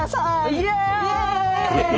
イエイ！